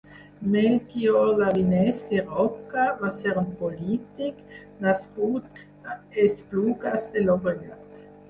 Melcior Llavinés i Roca va ser un polític nascut a Esplugues de Llobregat.